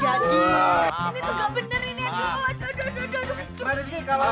ya ampun ampun